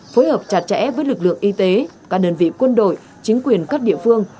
phối hợp chặt chẽ với lực lượng y tế các đơn vị quân đội chính quyền các địa phương